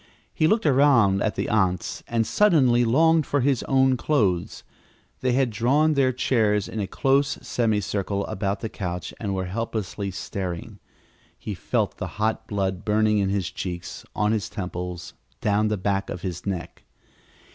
He looked around at the aunts and suddenly longed for his own clothes. They had drawn their chairs in a close semi circle about the couch and were helplessly staring. He felt the hot blood burning in his cheeks, on his temples, down the back of his neck.